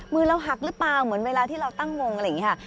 มือเราหักหรือเปล่าเหมือนเวลาที่เราตั้งวงอะไรอย่างนี้ค่ะ